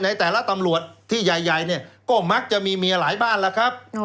ในแต่ละตำรวจที่ใหญ่เนี่ยก็มักจะมีเมียหลายบ้านแล้วครับ